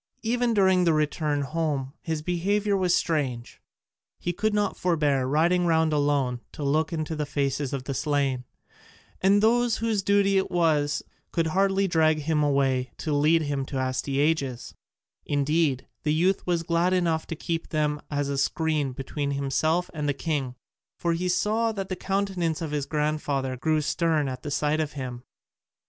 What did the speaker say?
Even during the return home his behaviour was strange; he could not forbear riding round alone to look into the faces of the slain, and those whose duty it was could hardly drag him away to lead him to Astyages: indeed, the youth was glad enough to keep them as a screen between himself and the king, for he saw that the countenance of his grandfather grew stern at the sight of him.